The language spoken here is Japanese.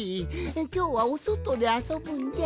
きょうはおそとであそぶんじゃ？